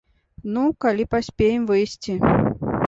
Ну, калі паспеем выйсці.